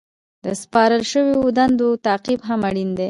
د سپارل شوو دندو تعقیب هم اړین دی.